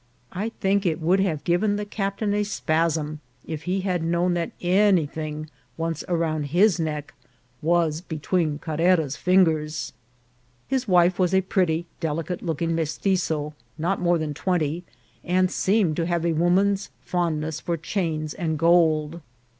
I think it would have given the captain a spasm if he had known that anything once around his neck was between Carrera's fingers. His wife was a pretty, delicate looking Mestitzo, not more than twenty, and seemed to have a woman's fondness for chains and gold.